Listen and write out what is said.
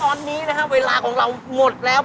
ตอนนี้นะครับเวลาของเราหมดแล้ว